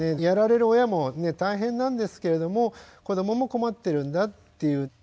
やられる親も大変なんですけれども子どもも困ってるんだっていう。